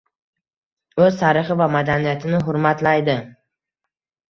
O‘z tarixi va madaniyatini hurmatlaydi.